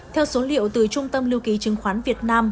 theo số liệu từ trung tâm lưu ký chứng khoán việt nam